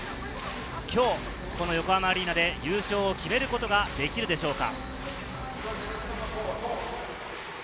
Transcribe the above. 今日、横浜アリーナで優勝を決めることができるでしょうか。